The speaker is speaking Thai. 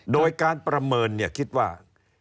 โดยการประเมินคิดว่า